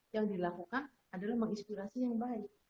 yang dilakukan adalah menginspirasi yang baik